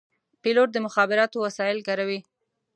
پیلوټ د مخابراتو وسایل کاروي.